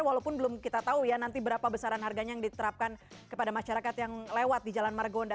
walaupun belum kita tahu ya nanti berapa besaran harganya yang diterapkan kepada masyarakat yang lewat di jalan margonda